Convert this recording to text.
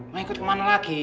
mau ikut kemana lagi